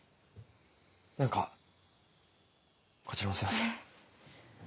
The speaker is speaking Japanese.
何かこちらもすいません。